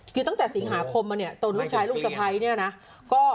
อยู่ตั้งแต่สิงหาคมอะเนี้ยตอนลูกชายลูกสภัยเนี้ยนะก็